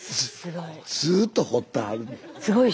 ずっと掘ってはる。